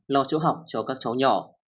lo chỗ học cho các cháu nhỏ